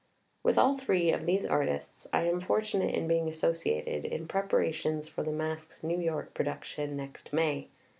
With all three of these artists I am fortunate in being associated in preparations for the Masque's New York production next May.